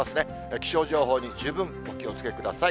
気象情報に十分お気をつけください。